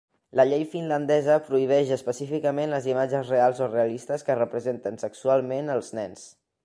La llei finlandesa prohibeix específicament les imatges reals o realistes que representen sexualment els nens.